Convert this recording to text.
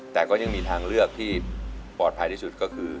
แต่ก็ยังมีทางเลือกที่ปลอดภัยที่สุดก็คือ